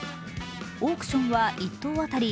オークションは１頭当たり